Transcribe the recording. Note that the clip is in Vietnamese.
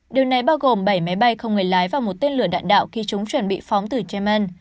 điều này bao gồm bảy máy bay không người lái và một tên lửa đạn đạo khi chúng chuẩn bị phóng từ yemen